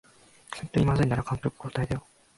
ほんとにまずいなら監督交代だよ